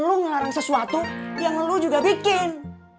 lo ngelarang sesuatu yang lo juga bikin